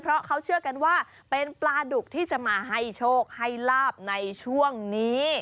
เพราะเขาเชื่อกันว่าเป็นปลาดุกที่จะมาให้โชคให้ลาบในช่วงนี้